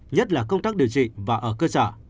nhất là công tác điều trị và ở cơ sở